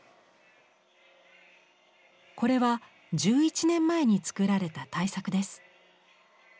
これは１１年前に作られた大作です。